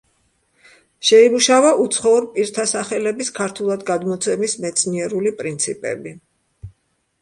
შეიმუშავა უცხოურ პირთა სახელების ქართულად გადმოცემის მეცნიერული პრინციპები.